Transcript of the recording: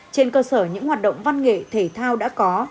trên cơ sở những hoạt động văn nghệ thể thao đã có